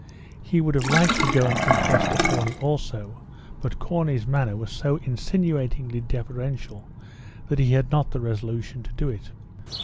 He would have liked to go and confess to Corney also, but Corney's manner was so insinuatingly deferential that he had not the resolution to do it.